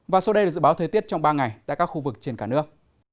và sau đây là dự báo thời tiết trong ba ngày tại các khu vực trên cả nước